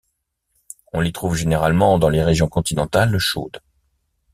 On les trouve généralement dans les régions continentales chaudes.